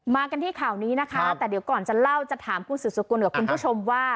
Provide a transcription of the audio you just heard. กันที่ข่าวนี้นะคะแต่เดี๋ยวก่อนจะเล่าจะถามคุณสุดสกุลกับคุณผู้ชมว่า